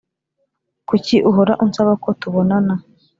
Kuki uhora unsaba ko tubonana